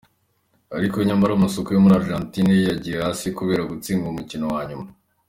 Ariko nyamara amasoko yo muri Argentine yo yagiye hasi kubera gutsindwa umukino wa nyuma.